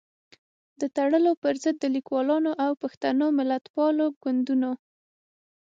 د تړلو پر ضد د ليکوالانو او پښتنو ملتپالو ګوندونو